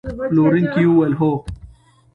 پلورونکي وویل: هو.